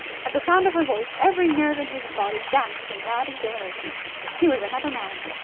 At the sound of her voice every nerve in his body danced in mad exhilaration. He was another man.